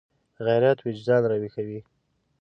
غیرت وجدان راویښوي